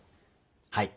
はい。